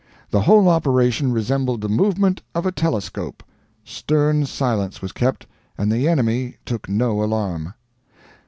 The whole operation resembled the movement of a telescope. Stern silence was kept, and the enemy took no alarm."